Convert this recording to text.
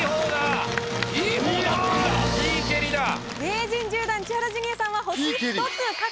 名人１０段千原ジュニアさんは星１つ獲得です。